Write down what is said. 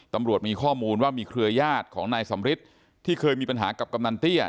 ตำรวจมีข้อมูลว่ามีเครือญาติของนายสำริทที่เคยมีปัญหากับกำนันเตี้ย